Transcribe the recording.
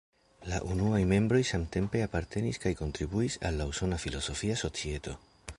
La unuaj membroj samtempe apartenis kaj kontribuis al la Usona Filozofia Societo.